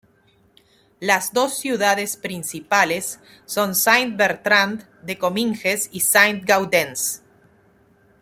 Las dos ciudades principales son Saint Bertrand de Cominges y Saint-Gaudens.